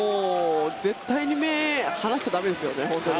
絶対に目を離しちゃ駄目ですよね。